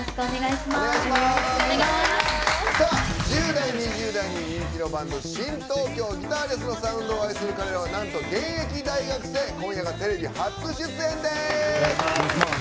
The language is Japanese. １０代、２０代に人気のバンド新東京、ギターレスのサウンドを愛する彼らはなんと現役大学生今夜がテレビ初出演です！